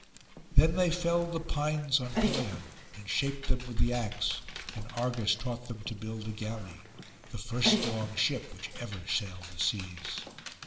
Then they felled the pines on Pelion, and shaped them with the axe, and Argus taught them to build a galley, the first long ship which ever sailed the seas.